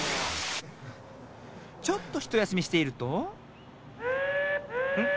ちょっとひとやすみしているとん？